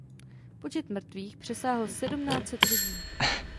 Počet mrtvých přesáhl sedmnáct set lidí.